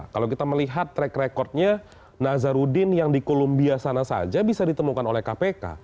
kalau kita melihat track recordnya nazarudin yang di columbia sana saja bisa ditemukan oleh kpk